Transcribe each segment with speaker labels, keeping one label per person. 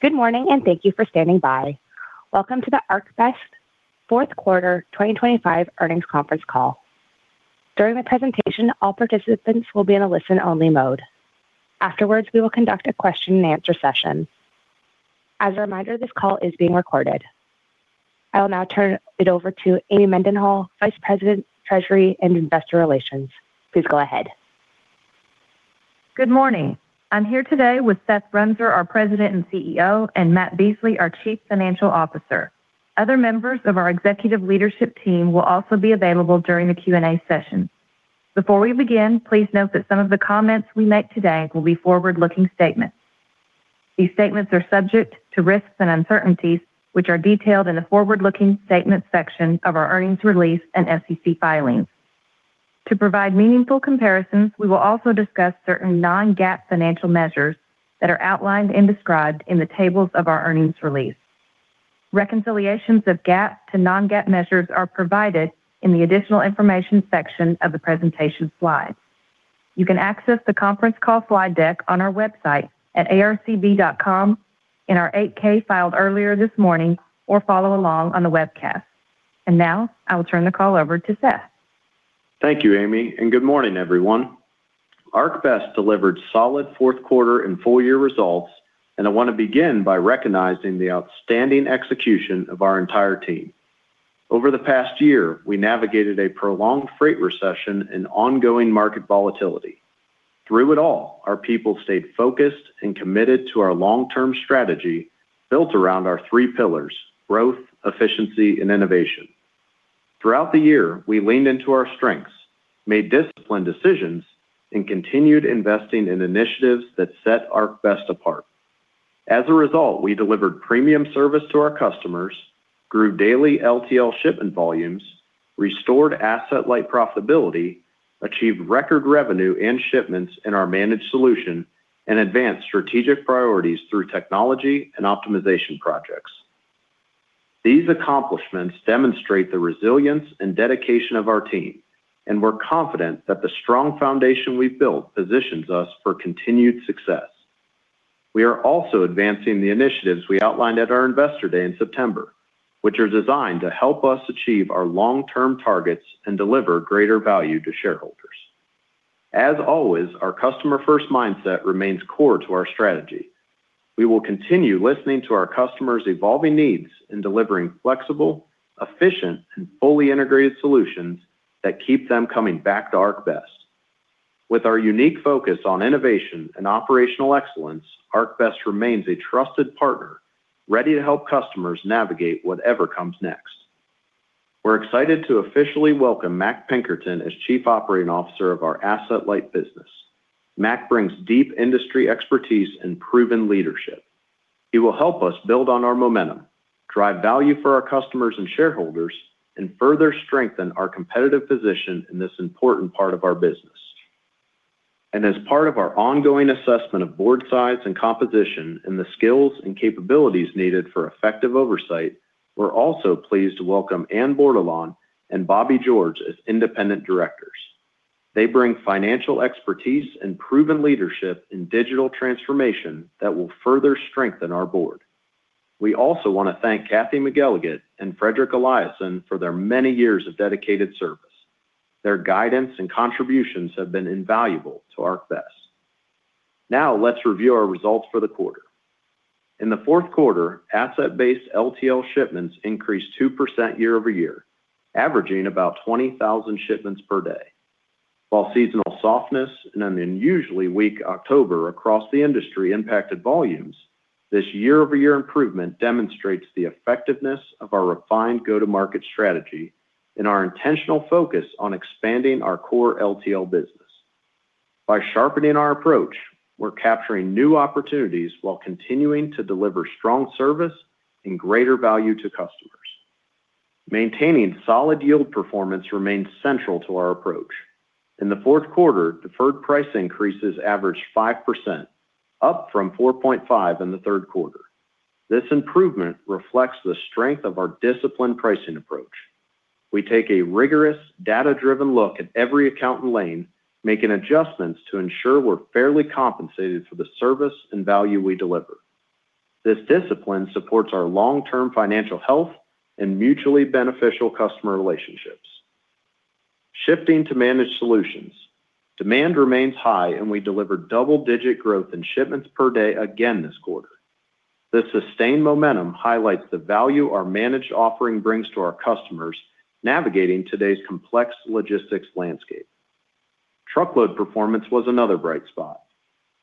Speaker 1: Good morning, and thank you for standing by. Welcome to the ArcBest Fourth Quarter 2025 Earnings Conference Call. During the presentation, all participants will be in a listen-only mode. Afterwards, we will conduct a question-and-answer session. As a reminder, this call is being recorded. I will now turn it over to Amy Mendenhall, Vice President, Treasury and Investor Relations. Please go ahead.
Speaker 2: Good morning. I'm here today with Seth Runser, our President and CEO, and Matt Beasley, our Chief Financial Officer. Other members of our executive leadership team will also be available during the Q&A session. Before we begin, please note that some of the comments we make today will be forward-looking statements. These statements are subject to risks and uncertainties, which are detailed in the forward-looking statement section of our earnings release and SEC filings. To provide meaningful comparisons, we will also discuss certain non-GAAP financial measures that are outlined and described in the tables of our earnings release. Reconciliations of GAAP to non-GAAP measures are provided in the additional information section of the presentation slide. You can access the conference call slide deck on our website at arcb.com in our 8-K filed earlier this morning or follow along on the webcast. Now I will turn the call over to Seth.
Speaker 3: Thank you, Amy, and good morning, everyone. ArcBest delivered solid fourth quarter and full-year results, and I want to begin by recognizing the outstanding execution of our entire team. Over the past year, we navigated a prolonged freight recession and ongoing market volatility. Through it all, our people stayed focused and committed to our long-term strategy, built around our three pillars: growth, efficiency, and innovation. Throughout the year, we leaned into our strengths, made disciplined decisions, and continued investing in initiatives that set ArcBest apart. As a result, we delivered premium service to our customers, grew daily LTL shipment volumes, restored Asset-Light profitability, achieved record revenue and shipments in our Managed Solutions, and advanced strategic priorities through technology and optimization projects. These accomplishments demonstrate the resilience and dedication of our team, and we're confident that the strong foundation we've built positions us for continued success. We are also advancing the initiatives we outlined at our Investor Day in September, which are designed to help us achieve our long-term targets and deliver greater value to shareholders. As always, our customer-first mindset remains core to our strategy. We will continue listening to our customers' evolving needs and delivering flexible, efficient, and fully integrated solutions that keep them coming back to ArcBest. With our unique focus on innovation and operational excellence, ArcBest remains a trusted partner, ready to help customers navigate whatever comes next. We're excited to officially welcome Mac Pinkerton as Chief Operating Officer of our Asset-Light business. Mac brings deep industry expertise and proven leadership. He will help us build on our momentum, drive value for our customers and shareholders, and further strengthen our competitive position in this important part of our business. As part of our ongoing assessment of board size and composition and the skills and capabilities needed for effective oversight, we're also pleased to welcome Anne Bordelon and Bobby George as independent directors. They bring financial expertise and proven leadership in digital transformation that will further strengthen our board. We also want to thank Cathy McElligott and Fredrik Eliasson for their many years of dedicated service. Their guidance and contributions have been invaluable to ArcBest. Now, let's review our results for the quarter. In the fourth quarter, Asset-Based LTL shipments increased 2% year-over-year, averaging about 20,000 shipments per day. While seasonal softness and an unusually weak October across the industry impacted volumes, this year-over-year improvement demonstrates the effectiveness of our refined go-to-market strategy and our intentional focus on expanding our core LTL business. By sharpening our approach, we're capturing new opportunities while continuing to deliver strong service and greater value to customers. Maintaining solid yield performance remains central to our approach. In the fourth quarter, deferred price increases averaged 5%, up from 4.5% in the third quarter. This improvement reflects the strength of our disciplined pricing approach. We take a rigorous, data-driven look at every account and lane, making adjustments to ensure we're fairly compensated for the service and value we deliver. This discipline supports our long-term financial health and mutually beneficial customer relationships. Shifting to Managed Solutions, demand remains high, and we delivered double-digit growth in shipments per day again this quarter. This sustained momentum highlights the value our Managed offering brings to our customers navigating today's complex logistics landscape. Truckload performance was another bright spot.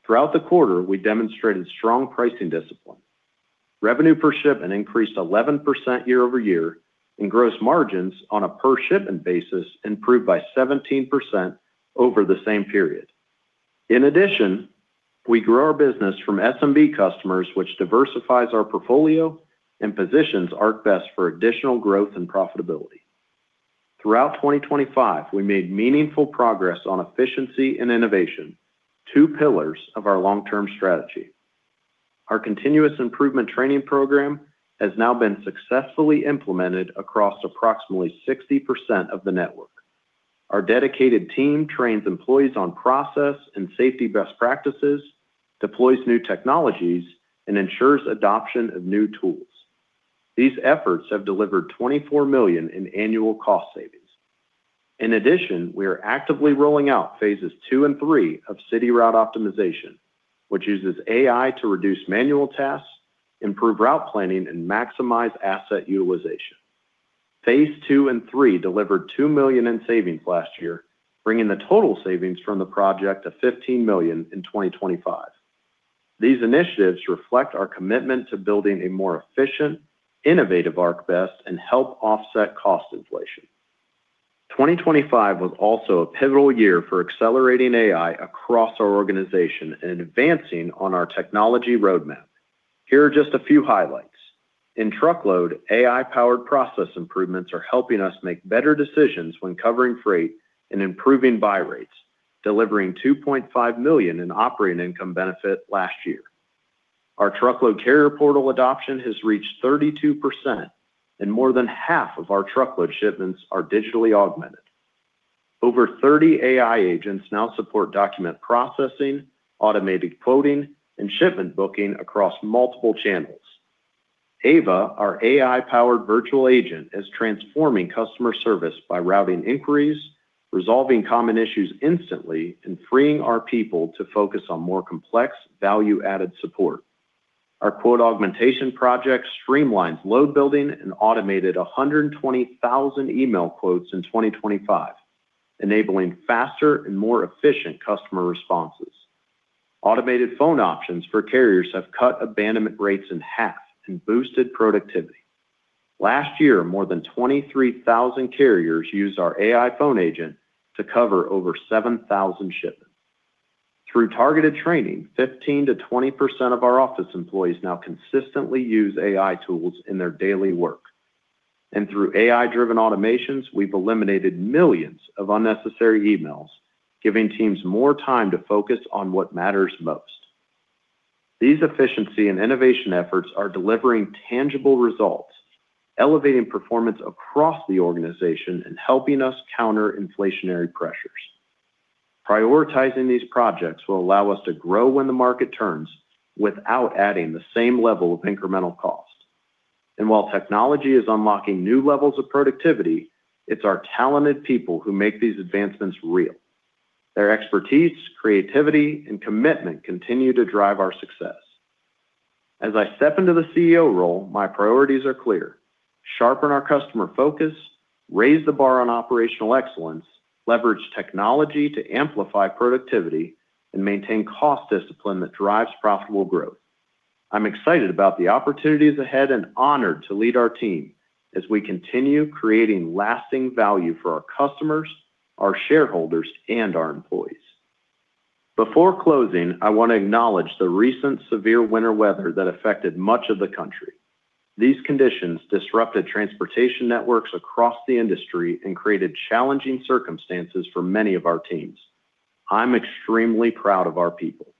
Speaker 3: Throughout the quarter, we demonstrated strong pricing discipline. Revenue per shipment increased 11% year-over-year, and gross margins on a per-shipment basis improved by 17% over the same period. In addition, we grew our business from SMB customers, which diversifies our portfolio and positions ArcBest for additional growth and profitability. Throughout 2025, we made meaningful progress on efficiency and innovation, two pillars of our long-term strategy. Our continuous improvement training program has now been successfully implemented across approximately 60% of the network. Our dedicated team trains employees on process and safety best practices, deploys new technologies, and ensures adoption of new tools. These efforts have delivered $24 million in annual cost savings. In addition, we are actively rolling out phases II and III of City Route Optimization, which uses AI to reduce manual tasks, improve route planning, and maximize asset utilization. Phase II and III delivered $2 million in savings last year, bringing the total savings from the project to $15 million in 2025. These initiatives reflect our commitment to building a more efficient, innovative ArcBest, and help offset cost inflation. 2025 was also a pivotal year for accelerating AI across our organization and advancing on our technology roadmap. Here are just a few highlights. In Truckload, AI-powered process improvements are helping us make better decisions when covering freight and improving buy rates, delivering $2.5 million in operating income benefit last year. Our Truckload carrier portal adoption has reached 32%, and more than half of our Truckload shipments are digitally augmented. Over 30 AI agents now support document processing, automated quoting, and shipment booking across multiple channels. Ava, our AI-powered virtual agent, is transforming customer service by routing inquiries, resolving common issues instantly, and freeing our people to focus on more complex, value-added support. Our quote augmentation project streamlines load building and automated 120,000 email quotes in 2025, enabling faster and more efficient customer responses. Automated phone options for carriers have cut abandonment rates in half and boosted productivity. Last year, more than 23,000 carriers used our AI phone agent to cover over 7,000 shipments. Through targeted training, 15%-20% of our office employees now consistently use AI tools in their daily work, and through AI-driven automations, we've eliminated millions of unnecessary emails, giving teams more time to focus on what matters most. These efficiency and innovation efforts are delivering tangible results, elevating performance across the organization, and helping us counter inflationary pressures. Prioritizing these projects will allow us to grow when the market turns, without adding the same level of incremental cost. While technology is unlocking new levels of productivity, it's our talented people who make these advancements real. Their expertise, creativity, and commitment continue to drive our success. As I step into the CEO role, my priorities are clear: sharpen our customer focus, raise the bar on operational excellence, leverage technology to amplify productivity, and maintain cost discipline that drives profitable growth. I'm excited about the opportunities ahead and honored to lead our team as we continue creating lasting value for our customers, our shareholders, and our employees. Before closing, I want to acknowledge the recent severe winter weather that affected much of the country. These conditions disrupted transportation networks across the industry and created challenging circumstances for many of our teams. I'm extremely proud of our people.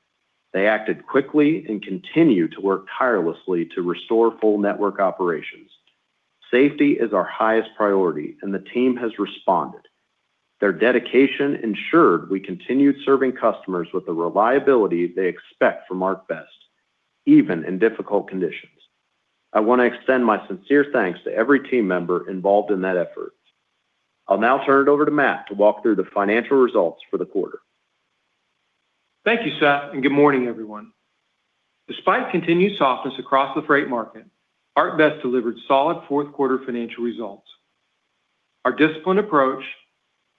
Speaker 3: They acted quickly and continue to work tirelessly to restore full network operations. Safety is our highest priority, and the team has responded. Their dedication ensured we continued serving customers with the reliability they expect from ArcBest, even in difficult conditions. I want to extend my sincere thanks to every team member involved in that effort. I'll now turn it over to Matt to walk through the financial results for the quarter.
Speaker 4: Thank you, Seth, and good morning, everyone. Despite continued softness across the freight market, ArcBest delivered solid fourth quarter financial results. Our disciplined approach,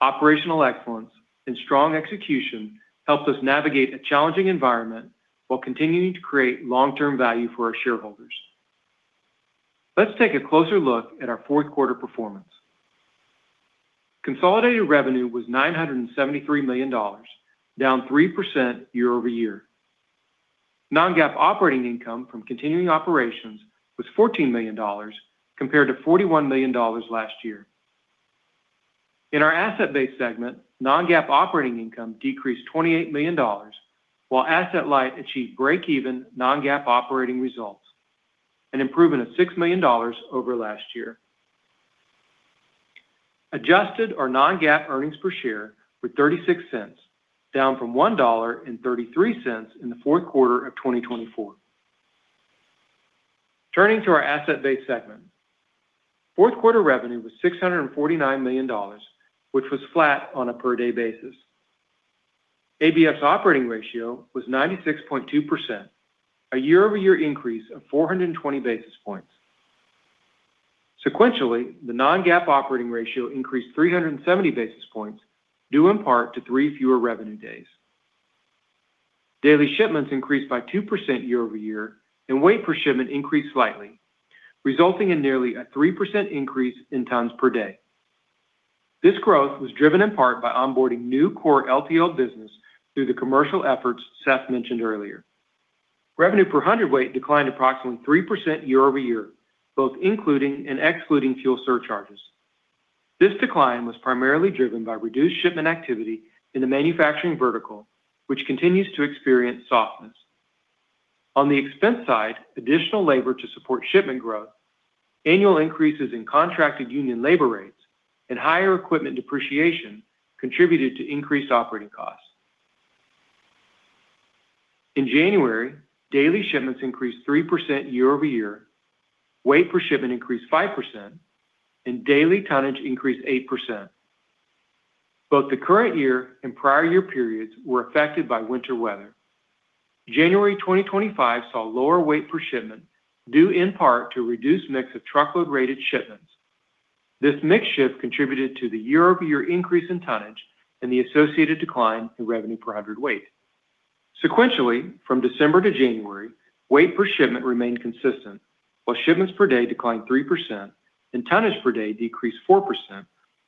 Speaker 4: operational excellence, and strong execution helped us navigate a challenging environment while continuing to create long-term value for our shareholders. Let's take a closer look at our fourth quarter performance. Consolidated revenue was $973 million, down 3% year-over-year. Non-GAAP operating income from continuing operations was $14 million, compared to $41 million last year. In our Asset-Based segment, non-GAAP operating income decreased $28 million, while Asset-Light achieved break-even non-GAAP operating results, an improvement of $6 million over last year. Adjusted our non-GAAP earnings per share were $0.36, down from $1.33 in the fourth quarter of 2024. Turning to our Asset-Based segment. Fourth quarter revenue was $649 million, which was flat on a per-day basis. ABF's operating ratio was 96.2%, a year-over-year increase of 420 basis points. Sequentially, the non-GAAP operating ratio increased 370 basis points, due in part to three fewer revenue days. Daily shipments increased by 2% year-over-year, and weight per shipment increased slightly, resulting in nearly a 3% increase in tons per day. This growth was driven in part by onboarding new core LTL business through the commercial efforts Seth mentioned earlier. Revenue per hundredweight declined approximately 3% year-over-year, both including and excluding fuel surcharges. This decline was primarily driven by reduced shipment activity in the manufacturing vertical, which continues to experience softness. On the expense side, additional labor to support shipment growth, annual increases in contracted union labor rates, and higher equipment depreciation contributed to increased operating costs. In January, daily shipments increased 3% year-over-year, weight per shipment increased 5%, and daily tonnage increased 8%. Both the current year and prior year periods were affected by winter weather. January 2025 saw lower weight per shipment, due in part to a reduced mix of Truckload-rated shipments. This mix shift contributed to the year-over-year increase in tonnage and the associated decline in revenue per hundredweight. Sequentially, from December to January, weight per shipment remained consistent, while shipments per day declined 3% and tonnage per day decreased 4%,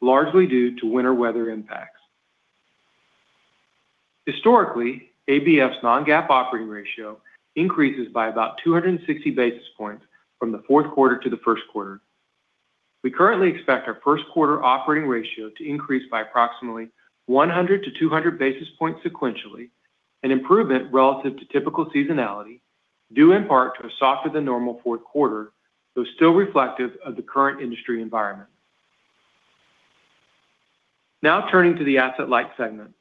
Speaker 4: largely due to winter weather impacts. Historically, ABF's non-GAAP operating ratio increases by about 260 basis points from the fourth quarter to the first quarter. We currently expect our first quarter operating ratio to increase by approximately 100 basis points-200 basis points sequentially, an improvement relative to typical seasonality, due in part to a softer than normal fourth quarter, though still reflective of the current industry environment. Now, turning to the Asset-Light segment.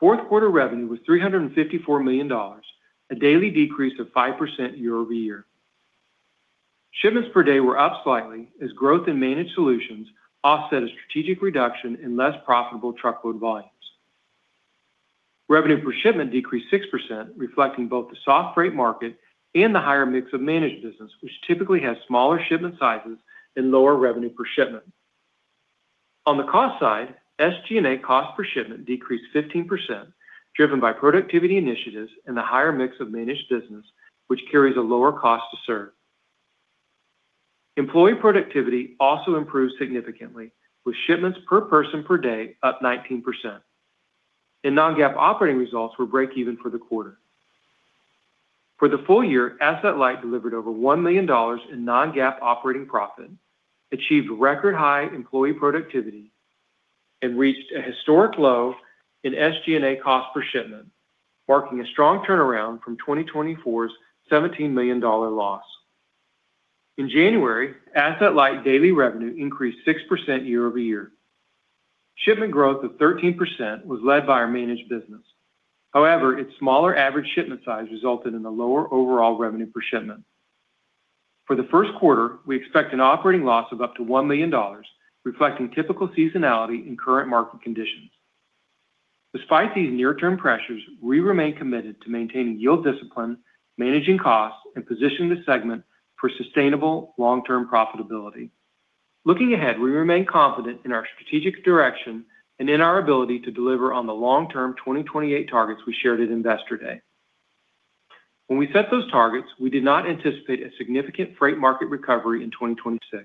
Speaker 4: Fourth quarter revenue was $354 million, a daily decrease of 5% year-over-year. Shipments per day were up slightly as growth in Managed Solutions offset a strategic reduction in less profitable Truckload volumes. Revenue per shipment decreased 6%, reflecting both the soft freight market and the higher mix of Managed business, which typically has smaller shipment sizes and lower revenue per shipment. On the cost side, SG&A cost per shipment decreased 15%, driven by productivity initiatives and the higher mix of Managed business, which carries a lower cost to serve. Employee productivity also improved significantly, with shipments per person per day up 19%, and non-GAAP operating results were break even for the quarter. For the full year, Asset-Light delivered over $1 million in non-GAAP operating profit, achieved record-high employee productivity, and reached a historic low in SG&A cost per shipment, marking a strong turnaround from 2024's $17 million loss. In January, Asset-Light daily revenue increased 6% year-over-year. Shipment growth of 13% was led by our Managed business. However, its smaller average shipment size resulted in a lower overall revenue per shipment. For the first quarter, we expect an operating loss of up to $1 million, reflecting typical seasonality in current market conditions. Despite these near-term pressures, we remain committed to maintaining yield discipline, managing costs, and positioning the segment for sustainable long-term profitability. Looking ahead, we remain confident in our strategic direction and in our ability to deliver on the long-term 2028 targets we shared at Investor Day. When we set those targets, we did not anticipate a significant freight market recovery in 2026.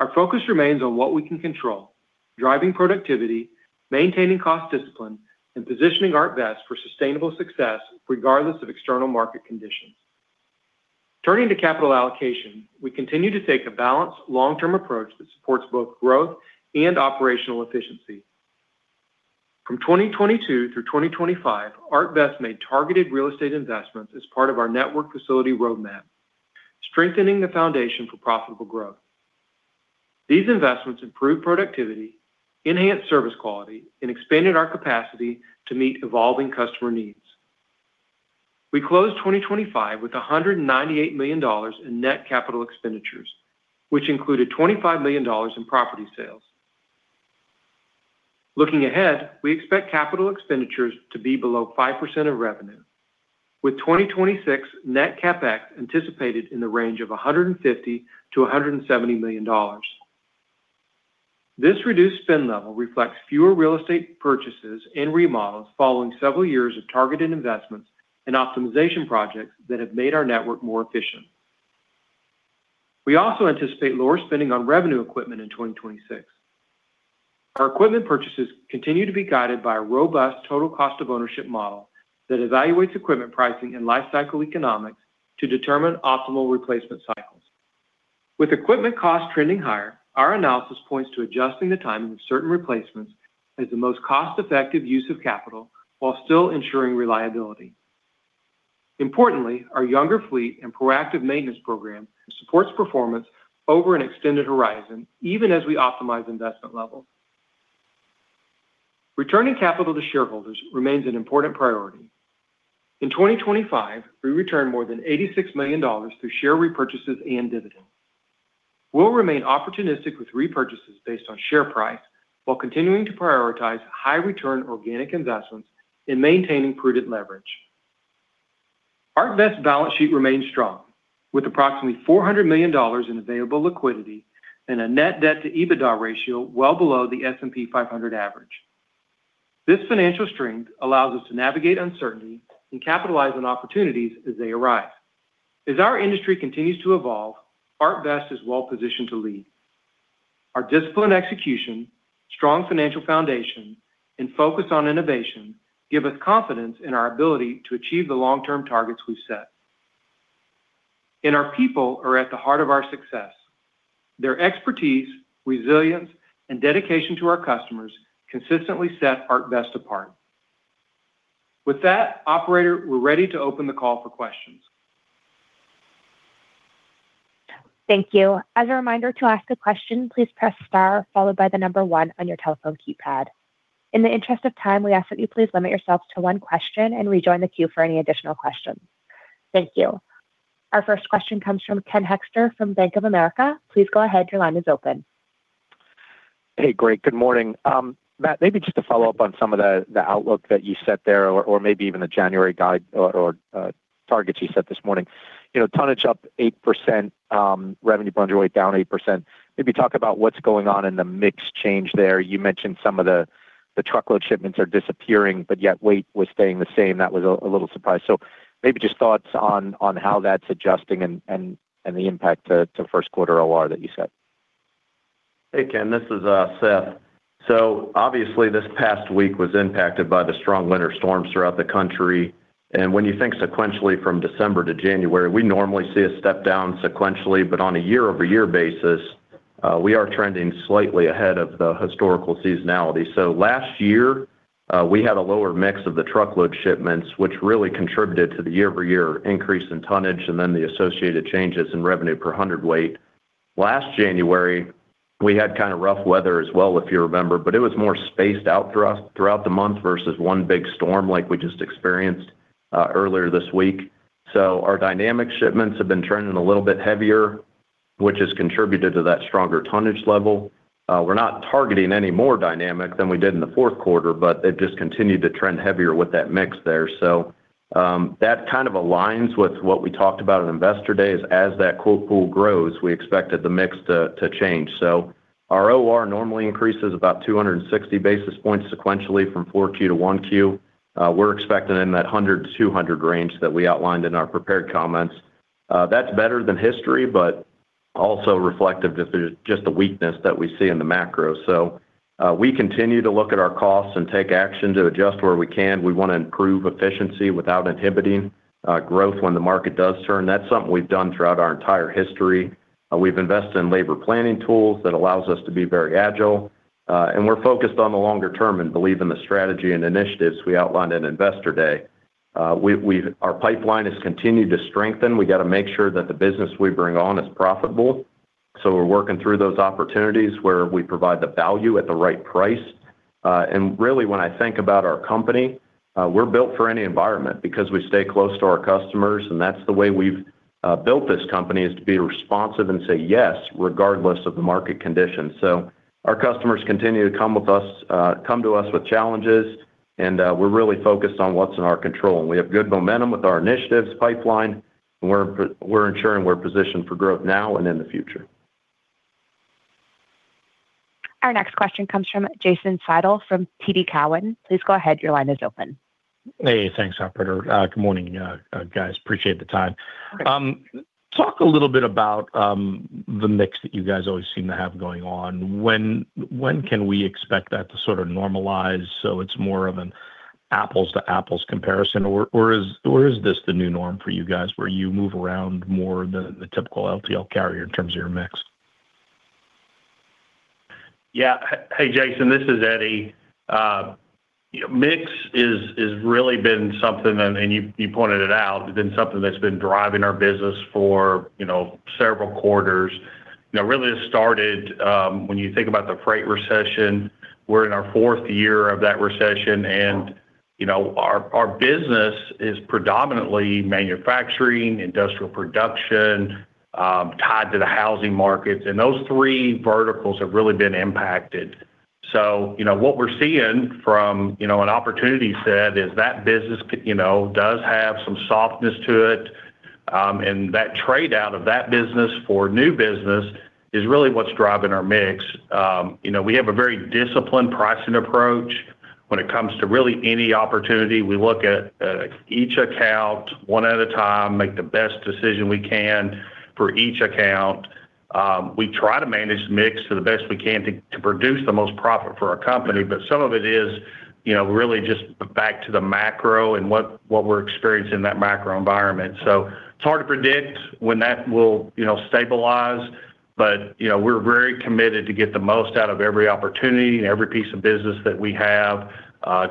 Speaker 4: Our focus remains on what we can control: driving productivity, maintaining cost discipline, and positioning ArcBest for sustainable success regardless of external market conditions. Turning to capital allocation, we continue to take a balanced, long-term approach that supports both growth and operational efficiency. From 2022 through 2025, ArcBest made targeted real estate investments as part of our network facility roadmap, strengthening the foundation for profitable growth. These investments improved productivity, enhanced service quality, and expanded our capacity to meet evolving customer needs. We closed 2025 with $198 million in net capital expenditures, which included $25 million in property sales. Looking ahead, we expect capital expenditures to be below 5% of revenue, with 2026 net CapEx anticipated in the range of $150 million-$170 million. This reduced spend level reflects fewer real estate purchases and remodels following several years of targeted investments and optimization projects that have made our network more efficient. We also anticipate lower spending on revenue equipment in 2026. Our equipment purchases continue to be guided by a robust total cost of ownership model that evaluates equipment pricing and lifecycle economics to determine optimal replacement cycles. With equipment costs trending higher, our analysis points to adjusting the timing of certain replacements as the most cost-effective use of capital while still ensuring reliability. Importantly, our younger fleet and proactive maintenance program supports performance over an extended horizon, even as we optimize investment levels. Returning capital to shareholders remains an important priority. In 2025, we returned more than $86 million through share repurchases and dividends. We'll remain opportunistic with repurchases based on share price while continuing to prioritize high-return organic investments in maintaining prudent leverage. ArcBest balance sheet remains strong, with approximately $400 million in available liquidity and a net debt to EBITDA ratio well below the S&P 500 average. This financial strength allows us to navigate uncertainty and capitalize on opportunities as they arise. As our industry continues to evolve, ArcBest is well positioned to lead. Our disciplined execution, strong financial foundation, and focus on innovation give us confidence in our ability to achieve the long-term targets we've set. And our people are at the heart of our success. Their expertise, resilience, and dedication to our customers consistently set ArcBest apart. With that, operator, we're ready to open the call for questions.
Speaker 1: Thank you. As a reminder, to ask a question, please press star, followed by the number one on your telephone keypad. In the interest of time, we ask that you please limit yourselves to one question and rejoin the queue for any additional questions. Thank you. Our first question comes from Ken Hoexter from Bank of America. Please go ahead. Your line is open.
Speaker 5: Hey, great. Good morning. Matt, maybe just to follow up on some of the outlook that you set there, or maybe even the January guide or targets you set this morning. You know, tonnage up 8%, revenue per hundredweight down 8%. Maybe talk about what's going on in the mix change there. You mentioned some of the Truckload shipments are disappearing, but yet weight was staying the same. That was a little surprised. So maybe just thoughts on how that's adjusting and the impact to first quarter OR that you set.
Speaker 3: Hey, Ken, this is Seth. So obviously, this past week was impacted by the strong winter storms throughout the country, and when you think sequentially from December to January, we normally see a step down sequentially, but on a year-over-year basis, we are trending slightly ahead of the historical seasonality. So last year, we had a lower mix of the Truckload shipments, which really contributed to the year-over-year increase in tonnage, and then the associated changes in revenue per hundredweight. Last January, we had kind of rough weather as well, if you remember, but it was more spaced out throughout the month versus one big storm like we just experienced earlier this week. So our dynamic shipments have been trending a little bit heavier, which has contributed to that stronger tonnage level. We're not targeting any more dynamic than we did in the fourth quarter, but they've just continued to trend heavier with that mix there. So, that kind of aligns with what we talked about in Investor Day is as that quote pool grows, we expect that the mix to, to change. So our OR normally increases about 260 basis points sequentially from Q4 to Q1. We're expecting in that 100 basis points-200 basis points range that we outlined in our prepared comments. That's better than history, but also reflective of the just the weakness that we see in the macro. So, we continue to look at our costs and take action to adjust where we can. We want to improve efficiency without inhibiting growth when the market does turn. That's something we've done throughout our entire history. We've invested in labor planning tools that allows us to be very agile, and we're focused on the longer term and believe in the strategy and initiatives we outlined in Investor Day. Our pipeline has continued to strengthen. We got to make sure that the business we bring on is profitable, so we're working through those opportunities where we provide the value at the right price. And really, when I think about our company, we're built for any environment because we stay close to our customers, and that's the way we've built this company, is to be responsive and say, "Yes," regardless of the market conditions. So our customers continue to come to us with challenges, and we're really focused on what's in our control. We have good momentum with our initiatives, pipeline, and we're ensuring we're positioned for growth now and in the future.
Speaker 1: Our next question comes from Jason Seidl from TD Cowen. Please go ahead. Your line is open.
Speaker 6: Hey, thanks, operator. Good morning, guys. Appreciate the time. Talk a little bit about the mix that you guys always seem to have going on. When can we expect that to sort of normalize, so it's more of an apples to apples comparison, or is this the new norm for you guys, where you move around more than the typical LTL carrier in terms of your mix?
Speaker 7: Yeah. Hey, Jason, this is Eddie. Mix is really been something, and you pointed it out, been something that's been driving our business for, you know, several quarters. You know, really, it started when you think about the freight recession, we're in our fourth year of that recession, and, you know, our business is predominantly manufacturing, industrial production tied to the housing markets, and those three verticals have really been impacted. So, you know, what we're seeing from, you know, an opportunity set is that business — you know, does have some softness to it, and that trade-out of that business for new business is really what's driving our mix. You know, we have a very disciplined pricing approach when it comes to really any opportunity. We look at each account one at a time, make the best decision we can for each account. We try to manage the mix to the best we can to produce the most profit for our company, but some of it is, you know, really just back to the macro and what we're experiencing in that macro environment. So it's hard to predict when that will, you know, stabilize, but, you know, we're very committed to get the most out of every opportunity and every piece of business that we have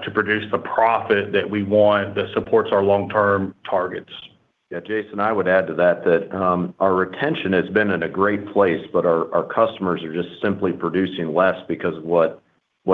Speaker 7: to produce the profit that we want that supports our long-term targets.
Speaker 3: Yeah, Jason, I would add to that, that our retention has been in a great place, but our customers are just simply producing less because of what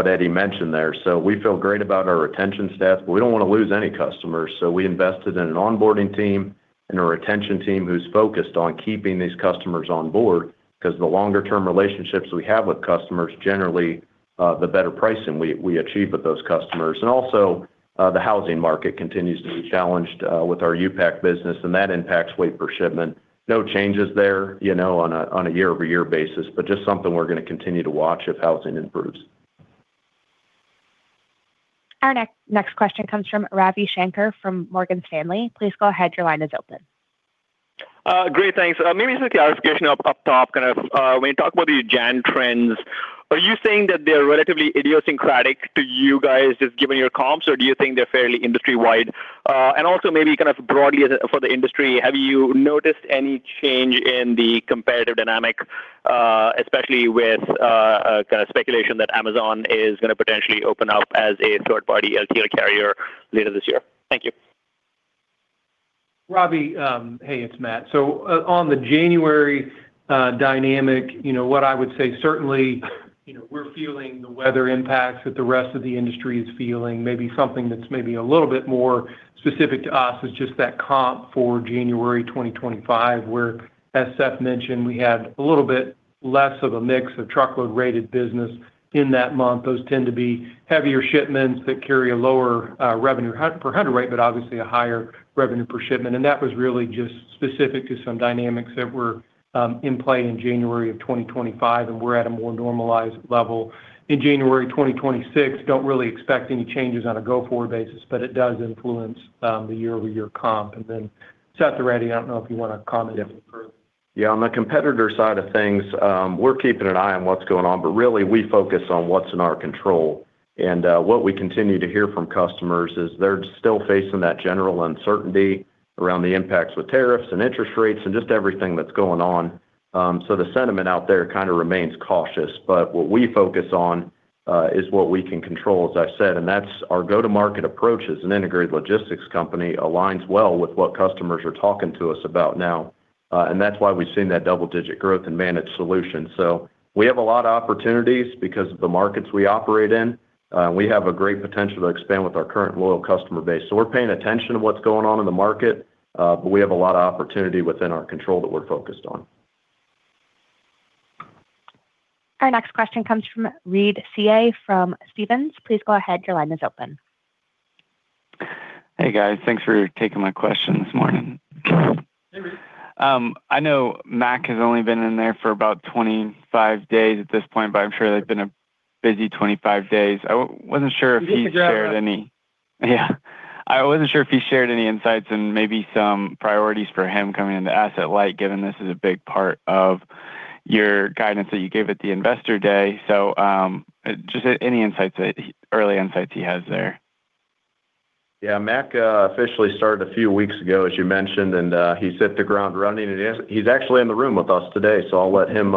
Speaker 3: Eddie mentioned there. So we feel great about our retention staff. We don't want to lose any customers, so we invested in an onboarding team and a retention team who's focused on keeping these customers on board. 'Cause the longer-term relationships we have with customers, generally, the better pricing we, we achieve with those customers. And also, the housing market continues to be challenged, with our U-Pack business, and that impacts weight per shipment. No changes there, you know, on a, on a year-over-year basis, but just something we're going to continue to watch if housing improves.
Speaker 1: Our next, next question comes from Ravi Shanker from Morgan Stanley. Please go ahead. Your line is open.
Speaker 8: Great, thanks. Maybe just a clarification up top. Kind of, when you talk about the Jan trends, are you saying that they're relatively idiosyncratic to you guys, just given your comps, or do you think they're fairly industry-wide? And also maybe kind of broadly for the industry, have you noticed any change in the competitive dynamic, especially with kind of speculation that Amazon is going to potentially open up as a third-party LTL carrier later this year? Thank you.
Speaker 4: Ravi, hey, it's Matt. So, on the January dynamic, you know what I would say, certainly, you know, we're feeling the weather impacts that the rest of the industry is feeling. Maybe something that's maybe a little bit more specific to us is just that comp for January 2025, where, as Seth mentioned, we had a little bit less of a mix of Truckload-rated business in that month. Those tend to be heavier shipments that carry a lower revenue per hundredweight, but obviously a higher revenue per shipment. And that was really just specific to some dynamics that were in play in January of 2025, and we're at a more normalized level. In January 2026, don't really expect any changes on a go-forward basis, but it does influence the year-over-year comp. And then, Seth or Eddie, I don't know if you want to comment further.
Speaker 7: Yeah. On the competitor side of things, we're keeping an eye on what's going on, but really, we focus on what's in our control. And, what we continue to hear from customers is they're still facing that general uncertainty around the impacts with tariffs and interest rates and just everything that's going on. So the sentiment out there kind of remains cautious. But what we focus on, is what we can control, as I said, and that's our go-to-market approach as an integrated logistics company aligns well with what customers are talking to us about now. And that's why we've seen that double-digit growth in Managed Solutions. So we have a lot of opportunities because of the markets we operate in. We have a great potential to expand with our current loyal customer base. So we're paying attention to what's going on in the market, but we have a lot of opportunity within our control that we're focused on.
Speaker 1: Our next question comes from Reed Seay from Stephens. Please go ahead. Your line is open.
Speaker 9: Hey, guys. Thanks for taking my question this morning.
Speaker 4: Hey, Reed.
Speaker 9: I know Mac has only been in there for about 25 days at this point, but I'm sure they've been a busy 25 days. I wasn't sure if he shared any-
Speaker 4: He did a great job.
Speaker 9: Yeah. I wasn't sure if he shared any insights and maybe some priorities for him coming into Asset-Light, given this is a big part of your guidance that you gave at the Investor Day. So, just any early insights he has there.
Speaker 3: Yeah. Mac officially started a few weeks ago, as you mentioned, and he's hit the ground running. And he's actually in the room with us today, so I'll let him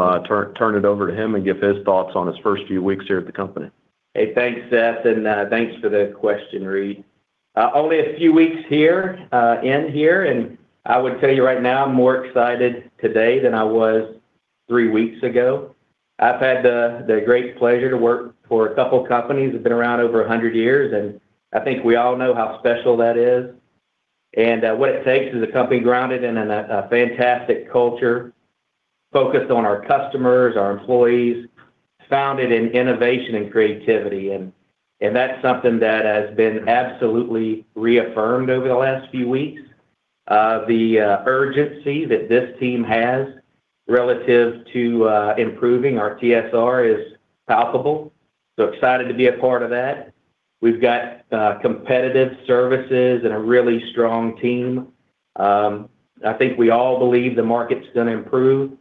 Speaker 3: turn it over to him and give his thoughts on his first few weeks here at the company.
Speaker 10: Hey, thanks, Seth, and thanks for the question, Reed. Only a few weeks here, and I would tell you right now, I'm more excited today than I was three weeks ago. I've had the great pleasure to work for a couple of companies that have been around over 100 years, and I think we all know how special that is. And what it takes is a company grounded in a fantastic culture, focused on our customers, our employees, founded in innovation and creativity, and that's something that has been absolutely reaffirmed over the last few weeks. The urgency that this team has relative to improving our TSR is palpable, so excited to be a part of that. We've got competitive services and a really strong team. I think we all believe the market's going to improve.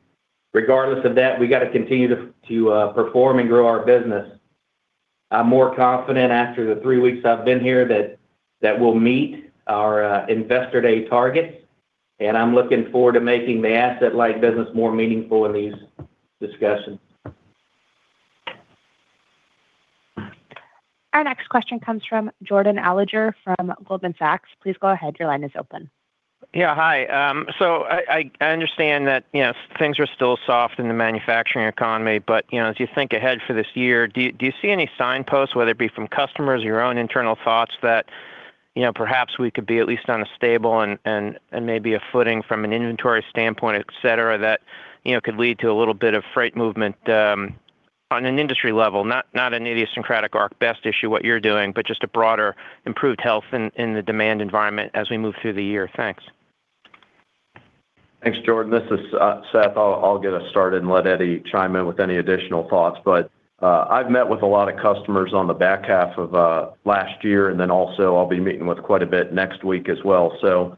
Speaker 10: Regardless of that, we got to continue to perform and grow our business. I'm more confident after the three weeks I've been here, that we'll meet our Investor Day targets, and I'm looking forward to making the Asset-Light business more meaningful in these discussions.
Speaker 1: Our next question comes from Jordan Alliger from Goldman Sachs. Please go ahead. Your line is open.
Speaker 11: Yeah. Hi. So I understand that, you know, things are still soft in the manufacturing economy, but, you know, as you think ahead for this year, do you see any signposts, whether it be from customers, your own internal thoughts, that, you know, perhaps we could be at least on a stable and maybe a footing from an inventory standpoint, et cetera, that, you know, could lead to a little bit of freight movement on an industry level? Not an idiosyncratic ArcBest issue, what you're doing, but just a broader improved health in the demand environment as we move through the year. Thanks.
Speaker 3: Thanks, Jordan. This is Seth. I'll get us started and let Eddie chime in with any additional thoughts. But, I've met with a lot of customers on the back half of last year, and then also I'll be meeting with quite a bit next week as well. So,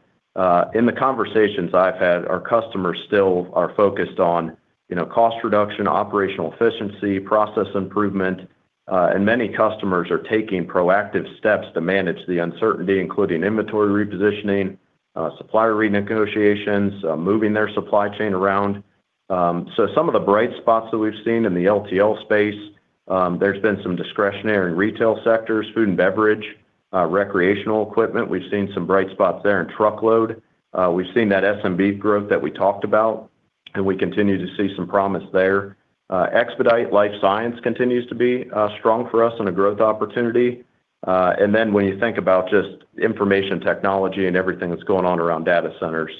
Speaker 3: in the conversations I've had, our customers still are focused on, you know, cost reduction, operational efficiency, process improvement, and many customers are taking proactive steps to manage the uncertainty, including inventory repositioning, supplier renegotiations, moving their supply chain around. So some of the bright spots that we've seen in the LTL space, there's been some discretionary in retail sectors, food and beverage, recreational equipment. We've seen some bright spots there in Truckload. We've seen that SMB growth that we talked about, and we continue to see some promise there. Expedite life science continues to be strong for us and a growth opportunity. And then when you think about just information technology and everything that's going on around data centers,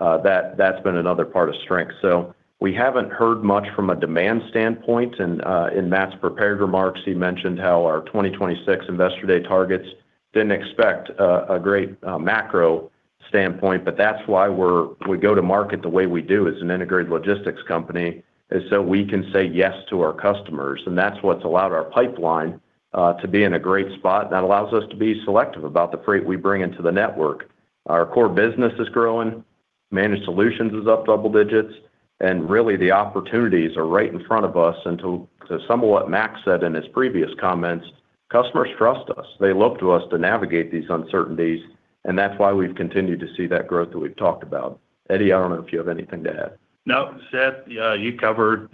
Speaker 3: that, that's been another part of strength. So we haven't heard much from a demand standpoint, and in Matt's prepared remarks, he mentioned how our 2026 Investor Day targets didn't expect a great macro standpoint, but that's why we go to market the way we do as an integrated logistics company, is so we can say yes to our customers, and that's what's allowed our pipeline to be in a great spot. That allows us to be selective about the freight we bring into the network. Our core business is growing. Managed Solutions is up double digits, and really, the opportunities are right in front of us. And to some of what Mac said in his previous comments: customers trust us. They look to us to navigate these uncertainties, and that's why we've continued to see that growth that we've talked about. Eddie, I don't know if you have anything to add.
Speaker 7: No, Seth, you covered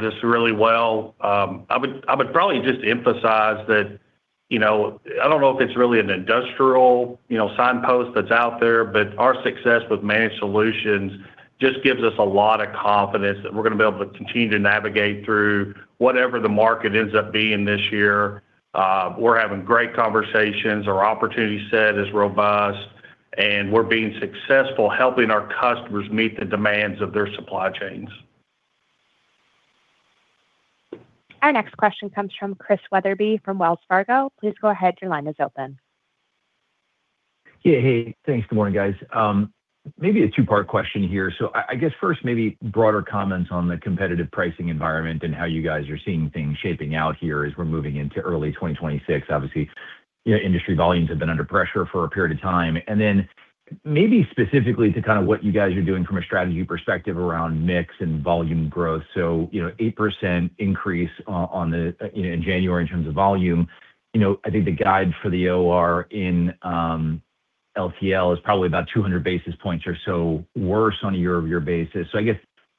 Speaker 7: this really well. I would probably just emphasize that, you know, I don't know if it's really an industrial, you know, signpost that's out there, but our success with Managed Solutions just gives us a lot of confidence that we're going to be able to continue to navigate through whatever the market ends up being this year. We're having great conversations. Our opportunity set is robust, and we're being successful, helping our customers meet the demands of their supply chains.
Speaker 1: Our next question comes from Chris Wetherbee, from Wells Fargo. Please go ahead. Your line is open.
Speaker 12: Yeah. Hey, thanks. Good morning, guys. Maybe a two-part question here. So I guess first, maybe broader comments on the competitive pricing environment and how you guys are seeing things shaping out here as we're moving into early 2026. Obviously, you know, industry volumes have been under pressure for a period of time. And then, maybe specifically to kind of what you guys are doing from a strategy perspective around mix and volume growth. So, you know, 8% increase on the, you know, in January in terms of volume. You know, I think the guide for the OR in LTL is probably about 200 basis points or so worse on a year-over-year basis. So I guess,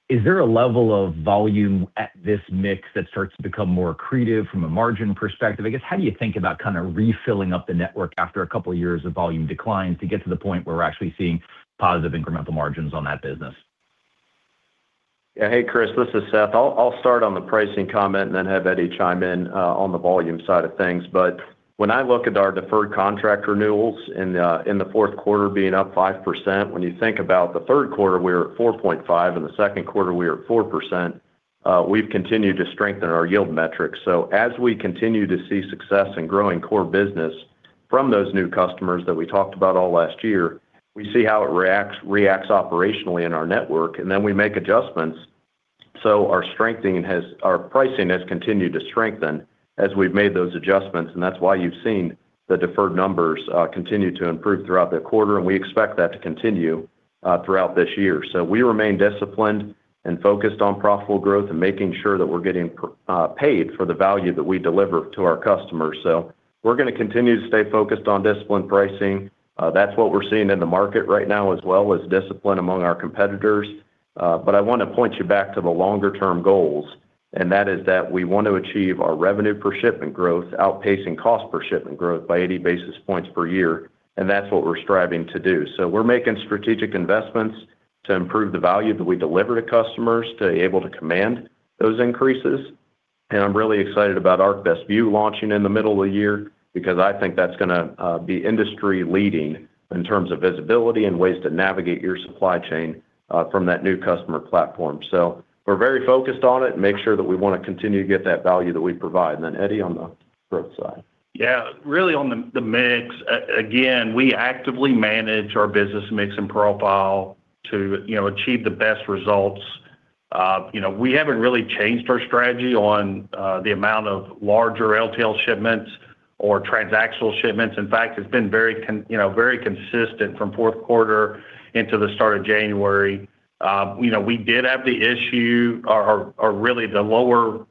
Speaker 12: is there a level of volume at this mix that starts to become more accretive from a margin perspective? I guess, how do you think about kind of refilling up the network after a couple of years of volume declines, to get to the point where we're actually seeing positive incremental margins on that business?
Speaker 3: Yeah. Hey, Chris, this is Seth. I'll start on the pricing comment and then have Eddie chime in on the volume side of things. But when I look at our deferred contract renewals in the fourth quarter being up 5%, when you think about the third quarter, we were at 4.5%, in the second quarter, we were at 4%, we've continued to strengthen our yield metrics. So as we continue to see success in growing core business from those new customers that we talked about all last year, we see how it reacts operationally in our network, and then we make adjustments. So our pricing has continued to strengthen as we've made those adjustments, and that's why you've seen the deferred numbers continue to improve throughout the quarter, and we expect that to continue throughout this year. So we remain disciplined and focused on profitable growth and making sure that we're getting paid for the value that we deliver to our customers. So we're going to continue to stay focused on disciplined pricing. That's what we're seeing in the market right now, as well as discipline among our competitors. But I want to point you back to the longer term goals, and that is that we want to achieve our revenue per shipment growth, outpacing cost per shipment growth by 80 basis points per year, and that's what we're striving to do. So we're making strategic investments to improve the value that we deliver to customers to able to command those increases. And I'm really excited about ArcBest View launching in the middle of the year because I think that's going to be industry leading in terms of visibility and ways to navigate your supply chain from that new customer platform. So we're very focused on it and make sure that we want to continue to get that value that we provide. And then, Eddie, on the growth side.
Speaker 7: Yeah. Really, on the mix, again, we actively manage our business mix and profile to, you know, achieve the best results. You know, we haven't really changed our strategy on the amount of larger LTL shipments or transactional shipments. In fact, it's been very you know, very consistent from fourth quarter into the start of January. You know, we did have the issue or really the lower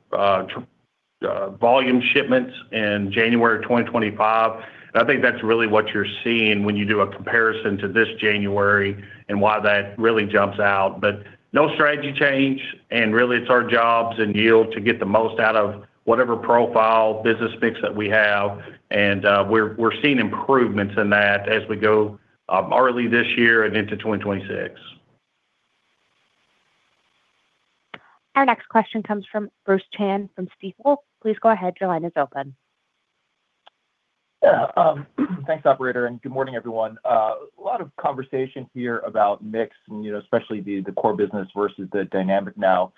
Speaker 7: volume shipments in January of 2025. And I think that's really what you're seeing when you do a comparison to this January and why that really jumps out. But no strategy change, and really, it's our jobs and yield to get the most out of whatever profile business mix that we have. And we're seeing improvements in that as we go early this year and into 2026.
Speaker 1: Our next question comes from Bruce Chan, from Stifel. Please go ahead. Your line is open.
Speaker 13: Yeah, thanks, operator, and good morning, everyone. A lot of conversation here about mix and, you know, especially the core business versus the dynamic now.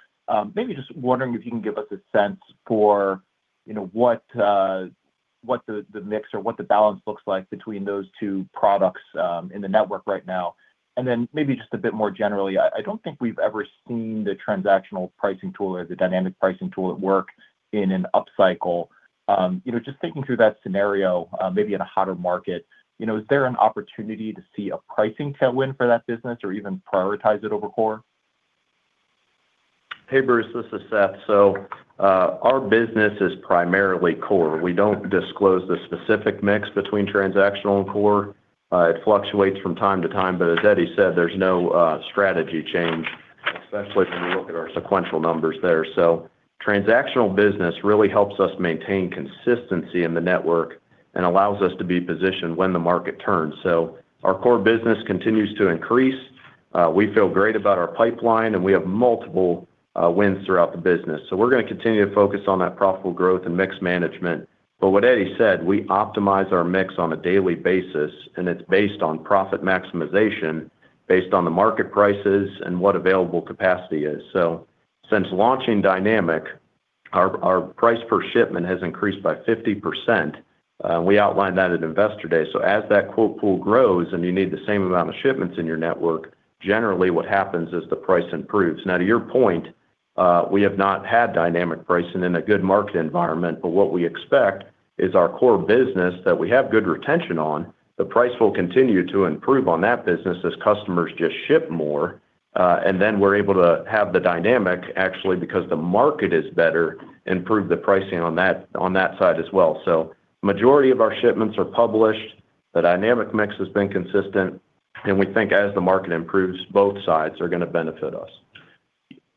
Speaker 13: Maybe just wondering if you can give us a sense for, you know, what the mix or what the balance looks like between those two products in the network right now. And then, maybe just a bit more generally, I don't think we've ever seen the transactional pricing tool or the dynamic pricing tool at work in an upcycle. You know, just thinking through that scenario, maybe in a hotter market, you know, is there an opportunity to see a pricing tailwind for that business or even prioritize it over core?
Speaker 3: Hey, Bruce, this is Seth. So, our business is primarily core. We don't disclose the specific mix between transactional and core. It fluctuates from time to time, but as Eddie said, there's no strategy change, especially when we look at our sequential numbers there. So transactional business really helps us maintain consistency in the network and allows us to be positioned when the market turns. So our core business continues to increase. We feel great about our pipeline, and we have multiple wins throughout the business. So we're going to continue to focus on that profitable growth and mix management. But what Eddie said, we optimize our mix on a daily basis, and it's based on profit maximization, based on the market prices and what available capacity is. So since launching Dynamic, our price per shipment has increased by 50%. We outlined that at Investor Day. So as that quote pool grows and you need the same amount of shipments in your network, generally, what happens is the price improves. Now, to your point, we have not had dynamic pricing in a good market environment. But what we expect is our core business that we have good retention on, the price will continue to improve on that business as customers just ship more. And then we're able to have the dynamic, actually, because the market is better, improve the pricing on that, on that side as well. So majority of our shipments are published, the dynamic mix has been consistent, and we think as the market improves, both sides are going to benefit us.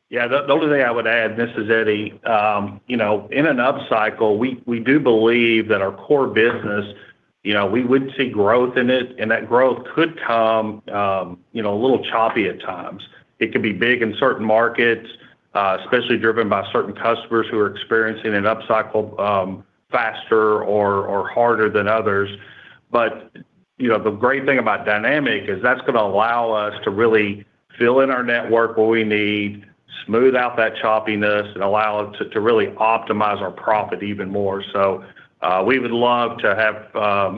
Speaker 7: Yeah, the only thing I would add, this is Eddie. You know, in an upcycle, we do believe that our core business, you know, we would see growth in it, and that growth could come, you know, a little choppy at times. It could be big in certain markets, especially driven by certain customers who are experiencing an upcycle, faster or harder than others. But, you know, the great thing about dynamic is that's going to allow us to really fill in our network where we need, smooth out that choppiness, and allow us to really optimize our profit even more. So, we would love to have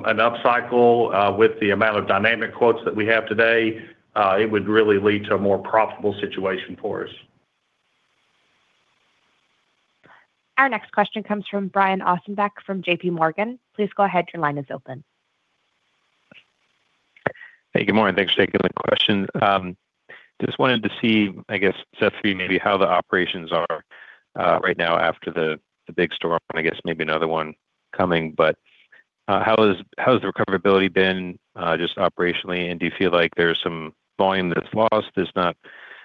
Speaker 7: an upcycle with the amount of dynamic quotes that we have today. It would really lead to a more profitable situation for us.
Speaker 1: Our next question comes from Brian Ossenbeck from JPMorgan. Please go ahead, your line is open.
Speaker 14: Hey, good morning. Thanks for taking the question. Just wanted to see, I guess, Seth, maybe how the operations are right now after the big storm, and I guess maybe another one coming. But how has the recoverability been just operationally, and do you feel like there's some volume that is lost, that's not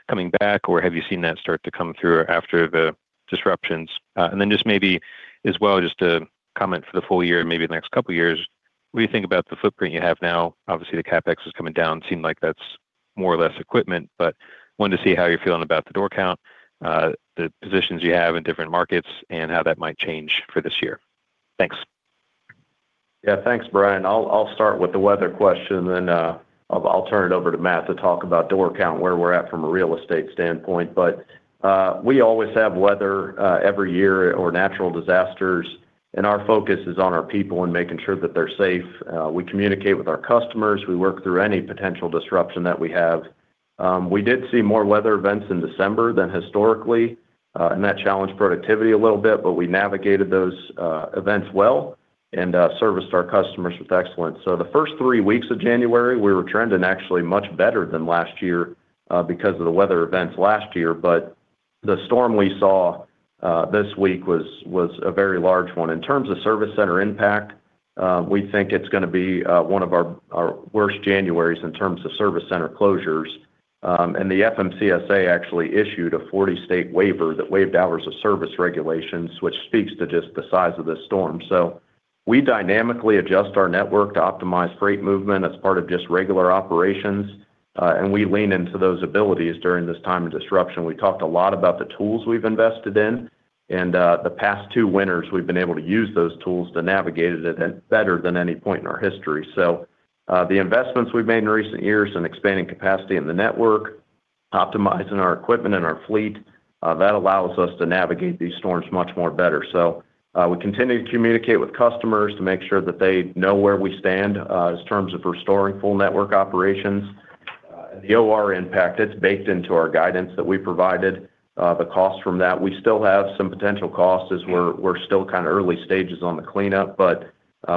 Speaker 14: coming back? Or have you seen that start to come through after the disruptions? And then just maybe as well, just to comment for the full year and maybe the next couple of years, what do you think about the footprint you have now? Obviously, the CapEx is coming down. Seemed like that's more or less equipment, but wanted to see how you're feeling about the door count, the positions you have in different markets, and how that might change for this year. Thanks.
Speaker 3: Yeah. Thanks, Brian. I'll start with the weather question, then I'll turn it over to Matt to talk about door count, where we're at from a real estate standpoint. But we always have weather every year or natural disasters, and our focus is on our people and making sure that they're safe. We communicate with our customers. We work through any potential disruption that we have. We did see more weather events in December than historically, and that challenged productivity a little bit, but we navigated those events well and serviced our customers with excellence. So the first three weeks of January, we were trending actually much better than last year because of the weather events last year. But the storm we saw this week was a very large one. In terms of service center impact, we think it's going to be one of our worst Januaries in terms of service center closures. The FMCSA actually issued a 40-state waiver that waived hours of service regulations, which speaks to just the size of this storm. So we dynamically adjust our network to optimize freight movement as part of just regular operations, and we lean into those abilities during this time of disruption. We talked a lot about the tools we've invested in, and the past two winters, we've been able to use those tools to navigate it, and better than any point in our history. So, the investments we've made in recent years in expanding capacity in the network, optimizing our equipment and our fleet, that allows us to navigate these storms much more better. So, we continue to communicate with customers to make sure that they know where we stand in terms of restoring full network operations. The OR impact, it's baked into our guidance that we provided, the cost from that. We still have some potential costs as we're still early stages on the cleanup, but,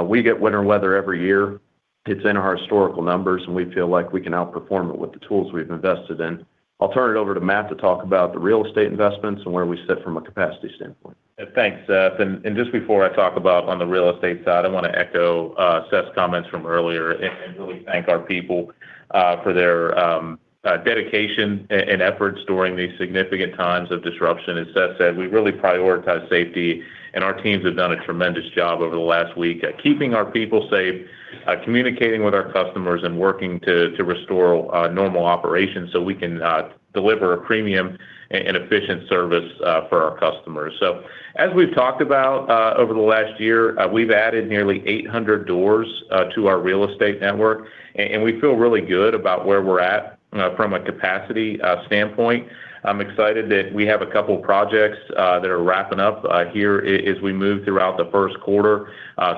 Speaker 3: we get winter weather every year. It's in our historical numbers, and we feel like we can outperform it with the tools we've invested in. I'll turn it over to Matt to talk about the real estate investments and where we sit from a capacity standpoint.
Speaker 4: Thanks, Seth. And just before I talk about on the real estate side, I want to echo Seth's comments from earlier and really thank our people for their dedication and efforts during these significant times of disruption. As Seth said, we really prioritize safety, and our teams have done a tremendous job over the last week at keeping our people safe, communicating with our customers, and working to restore normal operations so we can deliver a premium and efficient service for our customers. So as we've talked about over the last year, we've added nearly 800 doors to our real estate network, and we feel really good about where we're at from a capacity standpoint. I'm excited that we have a couple projects that are wrapping up here as we move throughout the first quarter,